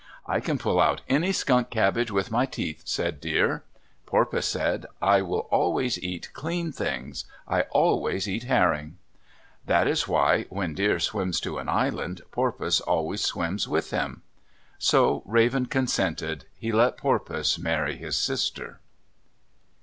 "I can pull out any skunk cabbage with my teeth," said Deer. Porpoise said, "I will always eat clean things. I always eat herring." That is why, when Deer swims to an island, Porpoise always swims with him. So Raven consented. He let Porpoise marry his sister.